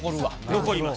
残ります。